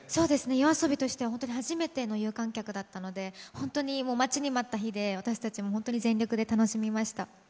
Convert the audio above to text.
ＹＯＡＳＯＢＩとしては本当に初めての有観客だったので本当に待ちに待った日で、私たちも本当に全力で楽しみました。